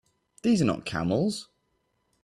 These are not camels!